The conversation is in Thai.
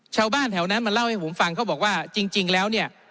ชาวบ้านแถวนั้นมาเล่าให้ผมฟังเขาบอกว่าจริงแล้วเนี่ย